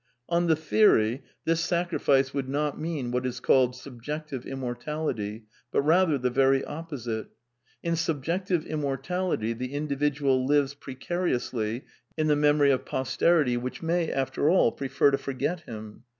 On the theory, this sacrifice would not mean what is called " subjective immortality," but rather the very oppo site. In subjective immortality the individual lives pre cariously in the memory of posterity which may, after all, prefer to forget him.